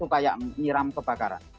kayak miram kebakaran